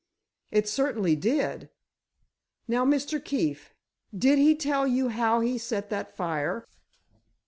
"It certainly did. Now, Mr. Keefe, did he tell you how he set that fire?"